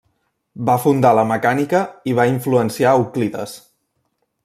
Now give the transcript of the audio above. Va fundar la mecànica i va influenciar Euclides.